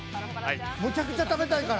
めちゃくちゃ食べたいから。